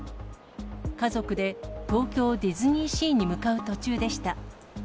家族で東京ディズニーシーに向かう途中でした。